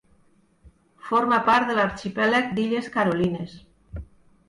Forma part de l'arxipèlag d'illes Carolines.